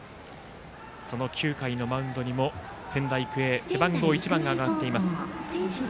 ９回のマウンドにも仙台育英背番号１番が上がっています。